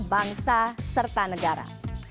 bangsa serta negara